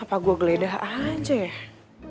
apa gue geledah aja ya